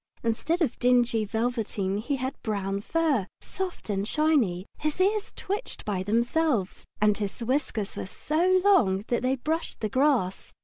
Instead of dingy velveteen he had brown fur, soft and shiny, his ears twitched by themselves, and his whiskers were so long that they brushed the grass.